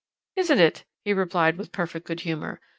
"Isn't it?" he replied with perfect good humour.